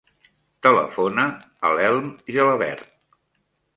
Telefona a l'Elm Gelabert.